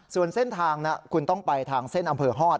ส่วนเส้นทางคุณต้องไปทางเส้นอำเภอฮอต